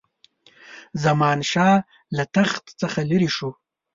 زمانشاه له تخت څخه لیري شو.